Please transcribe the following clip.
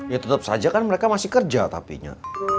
ya tetap saja kan mereka masih kerja tapinya